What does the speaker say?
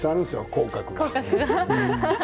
口角が。